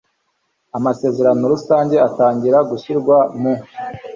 amasezerano rusange atangira gushyirwa mu